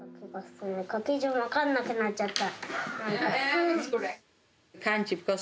書き順分かんなくなっちゃった。